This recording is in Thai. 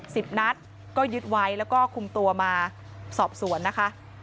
สิบนัดก็ยึดไว้แล้วก็คุมตัวมาสอบสวนนะคะ